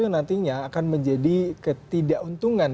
yang nantinya akan menjadi ketidakuntungan